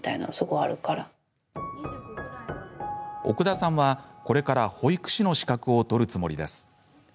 奥田さんは、これから保育士の資格を取るつもりです。